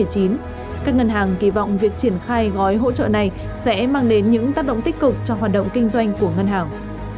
các ngân hàng kỳ vọng việc triển khai gói hỗ trợ này sẽ mang đến những tác động tích cực cho hoạt động kinh doanh của ngân hàng